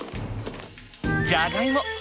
じゃがいも。